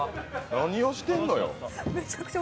何をしてんのよ。